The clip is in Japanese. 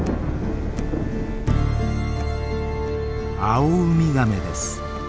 アオウミガメです。